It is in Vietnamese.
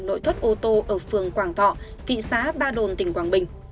nội thất ô tô ở phường quảng thọ thị xã ba đồn tỉnh quảng bình